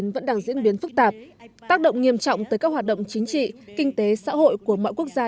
vẫn đang diễn biến phức tạp tác động nghiêm trọng tới các hoạt động chính trị kinh tế xã hội của mọi quốc gia